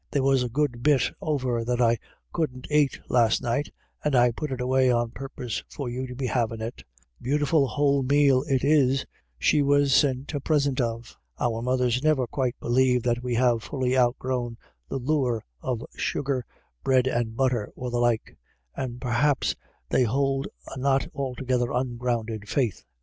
There was a good bit over that I couldn't ait last night, and I put it away on purpose/or you to be havin* it Beautiful whole male it is, she was sint a presint of." Our mothers never quite believe that we have fully outgrown the lure of sugared bread and butter, or the like ; and perhaps they hold a not altogether ungrounded faith.